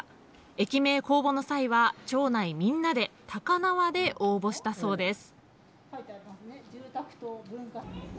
駅名公募の際は町内みんなで高輪で応募したそうです。